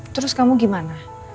terus kamu gimana